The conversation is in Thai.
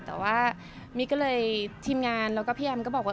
แต่ว่ามิ๊กก็เลยทีมงานแล้วก็พี่แอมก็บอกว่า